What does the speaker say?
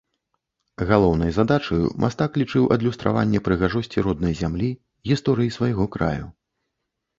Галоўнай задачаю мастак лічыў адлюстраванне прыгажосці роднай зямлі, гісторыі свайго краю.